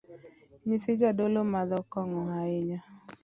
Nyithii jadolo madho kong’o ahinya